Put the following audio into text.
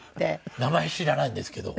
名前知らないんですけど。